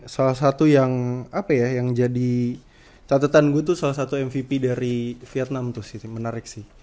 salah satu yang apa ya yang jadi catatan gue tuh salah satu mvp dari vietnam tuh menarik sih